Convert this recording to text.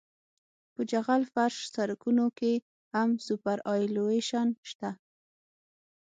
په جغل فرش سرکونو کې هم سوپرایلیویشن شته